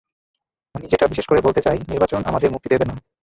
আমি, যেটা বিশেষ করে বলতে চাই, নির্বাচন আমাদের মুক্তি দেবে না।